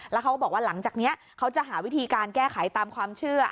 แล้วเขาก็บอกว่าหลังจากนี้เขาจะหาวิธีการแก้ไขตามความเชื่อ